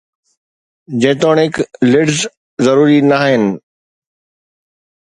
جيتوڻيڪ lids ضروري نه آهن